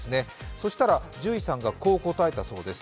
そしたら獣医さんがこう答えたそうです。